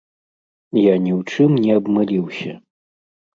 Я ні ў чым не абмыліўся!